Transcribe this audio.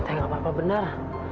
ya nggak papa bener